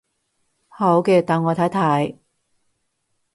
好嘅，等我睇睇